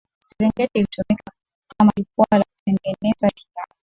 serengeti ilitumika kama jukwaa la kutengeneza filamu